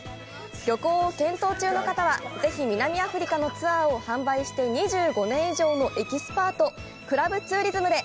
旅行を検討中の方はぜひ南アフリカのツアーを販売して２５年以上のエキスパート「クラブツーリズム」で。